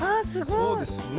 そうですね。